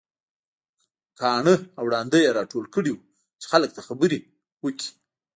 کاڼه او ړانده يې راټول کړي وو چې خلک ته خبرې وکړي.